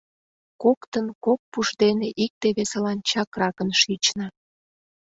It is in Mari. Коктын кок пуш дене икте-весылан чакракын шична.